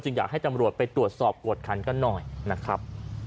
อยากให้ตำรวจไปตรวจสอบกวดคันกันหน่อยนะครับ